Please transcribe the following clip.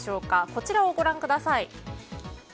こちらをご覧ください。